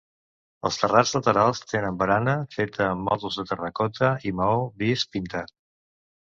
Els terrats laterals tenen barana feta amb mòduls de terracota i maó vist, pintat.